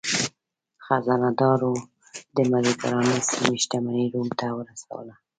خزانه دارو د مدترانې سیمې شتمني روم ته ورسوله.